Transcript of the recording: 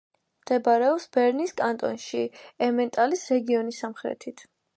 მდებარეობს ბერნის კანტონში, ემენტალის რეგიონის სამხრეთით.